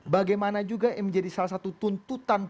bagaimana juga yang menjadi salah satu tuntutan